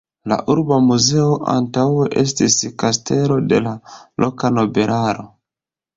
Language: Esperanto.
La urba muzeo antaŭe estis kastelo de la loka nobelaro.